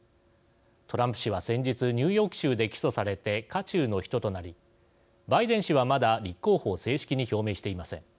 トランプ氏は先日ニューヨーク州で起訴されて渦中の人となりバイデン氏はまだ立候補を正式に表明していません。